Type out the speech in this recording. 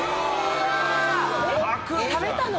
食べたの？